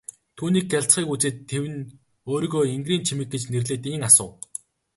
Түүний гялалзахыг үзээд тэвнэ өөрийгөө энгэрийн чимэг гэж нэрлээд ийн асуув.